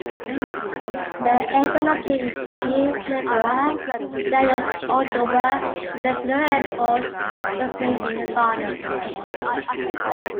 The airport located near Liberia, Daniel Oduber International Airport, was named in his honor.